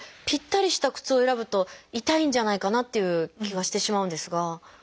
ぴったりした靴を選ぶと痛いんじゃないかなっていう気がしてしまうんですが。